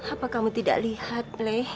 apa kamu tidak lihat